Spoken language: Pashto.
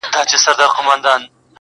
ستا د رخسار په ائينه کي مُصور ورک دی,